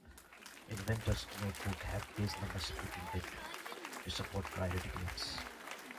Inventor's notebooks have page numbers preprinted to support priority claims.